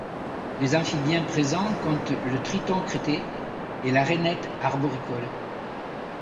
Les amphibiens présents comptent le Triton crêté et la Rainette arboricole.